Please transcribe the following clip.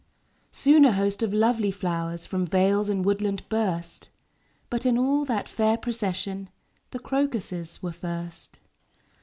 Soon a host of lovely flowers From vales and woodland burst; But in all that fair procession The crocuses were first.